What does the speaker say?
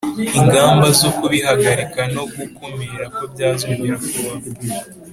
ingamba zo kubihagarika no gukumira ko byazongera kubaho”